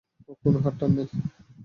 কোনো হার টার নয়!